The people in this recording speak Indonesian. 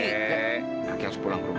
keh kakek harus pulang ke rumah